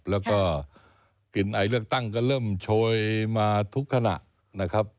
แล้วก็เปลี่ยนไอเลือกตั้งก็เริ่มโชยมาทุกขณะนะครับ